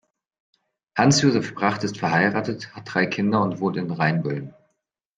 Hans-Josef Bracht ist verheiratet, hat drei Kinder und wohnt in Rheinböllen.